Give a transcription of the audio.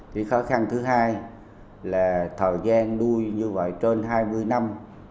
cái khó khăn thứ hai là thời gian nuôi như vậy trên hai mươi năm